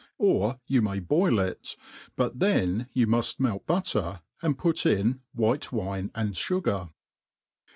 Or you may boil it, but then you muft mel^ butter, and put in white wine and fugar.